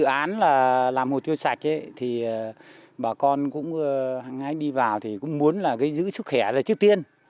khi có dự án làm hồ tiêu sạch thì bà con cũng ngay đi vào thì cũng muốn là giữ sức khỏe là trước tiên